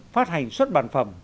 phát hành suất bản phẩm